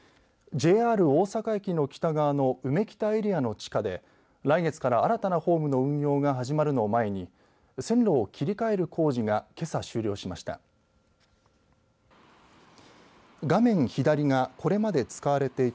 ＪＲ大阪駅の北側のうめきたエリアの地下で来月から新たなホームの運用が始まるのを前に線路を切り替える工事がけさ終了しました。